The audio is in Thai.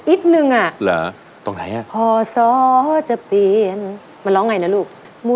อีกนึงอ่ะตรงไหนอ่ะมาร้องไงนะลูก